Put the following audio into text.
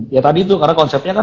ya tadi tuh karena konsepnya kan